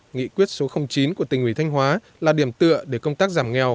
nghị quyết số chín của tỉnh ủy thanh hóa là điểm tựa để công tác giảm nghèo